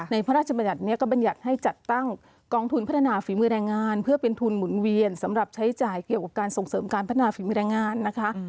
พระราชบัญญัตินี้ก็บรรยัติให้จัดตั้งกองทุนพัฒนาฝีมือแรงงานเพื่อเป็นทุนหมุนเวียนสำหรับใช้จ่ายเกี่ยวกับการส่งเสริมการพัฒนาฝีมือแรงงานนะคะ